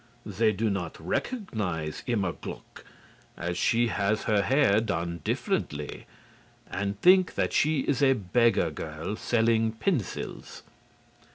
They do not recognize Immerglück, as she has her hair done differently, and think that she is a beggar girl selling pencils.